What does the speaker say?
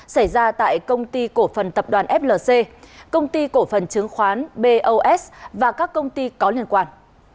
xảy ra tại công ty cổ phần tập đoàn flc công ty cổ phần chứng khoán bos và các công ty có liên quan